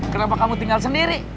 kenapa kamu tinggal sendiri